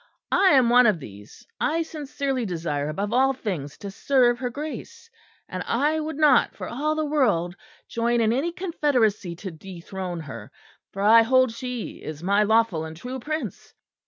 I am one of these: I sincerely desire above all things to serve her Grace, and I would not, for all the world, join in any confederacy to dethrone her, for I hold she is my lawful and true Prince.